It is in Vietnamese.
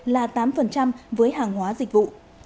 là tám với hàng hóa dịch vụ